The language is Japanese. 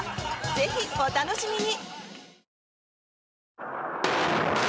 ぜひ、お楽しみに！